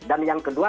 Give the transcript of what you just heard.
dan yang kedua